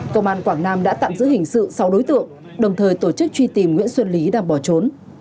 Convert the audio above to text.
công an quảng nam đã tạm giữ hình sự sáu đối tượng đồng thời tổ chức truy tìm nguyễn xuân lý đang bỏ trốn